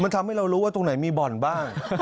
มันทำให้เรารู้ว่าตรงไหนมีบ่อนบ้าง